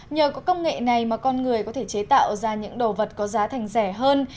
nhờ có công nghệ này mà con người có thể chế tạo ra những đồ vật có giá thành rẻ hơn